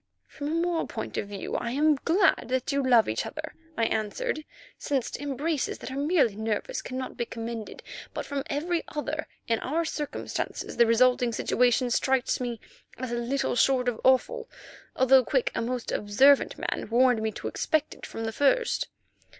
"From a moral point of view I am glad that you love each other," I remarked, "since embraces that are merely nervous cannot be commended. But from every other, in our circumstances the resulting situation strikes me as little short of awful, although Quick, a most observant man, warned me to expect it from the first."